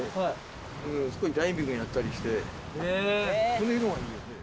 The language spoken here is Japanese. この色がいいですね。